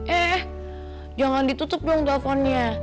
eh jangan ditutup dulu teleponnya